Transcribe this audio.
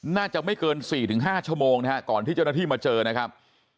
น่าจะไม่เกิน๔๕ชั่วโมงนะฮะก่อนที่เจ้าหน้าที่มาเจอนะครับ